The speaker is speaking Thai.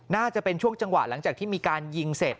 น่าจะเป็นช่วงจังหวะหลังจากที่มีการยิงเสร็จ